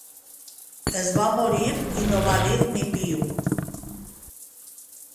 Es va morir i no va dir ni piu